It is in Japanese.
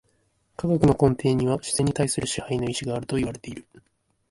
科学の根底には自然に対する支配の意志があるといわれている。